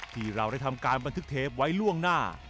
ที่เราได้ทำการบันทึกเทปไว้ล่วงหน้า